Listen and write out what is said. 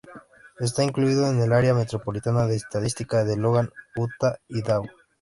Está incluido en el área metropolitana de estadística de Logan, Utah-Idaho.